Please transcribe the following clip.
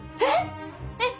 えっ！？